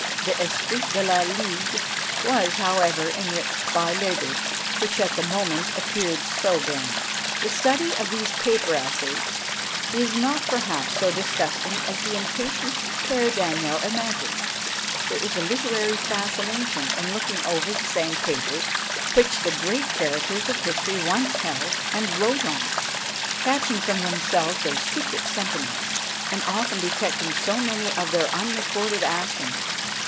The "Esprit de la Ligue" was however enriched by labours which at the moment appeared so barren. The study of these paperasses is not perhaps so disgusting as the impatient Père Daniel imagined; there is a literary fascination in looking over the same papers which the great characters of history once held and wrote on; catching from themselves their secret sentiments; and often detecting so many of their unrecorded actions!